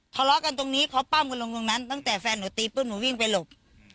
ทะเลาะกันตรงนี้เขาปั้มกันลงตรงนั้นตั้งแต่แฟนหนูตีปุ๊บหนูวิ่งไปหลบ